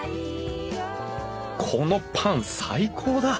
このパン最高だ！